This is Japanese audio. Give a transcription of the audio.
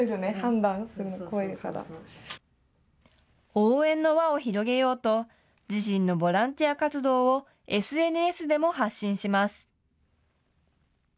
応援の輪を広げようと自身のボランティア活動をＳＮＳでも発信します。